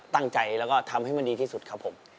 ตั้งใจแล้วก็ทำให้มันดีที่สุดครับผม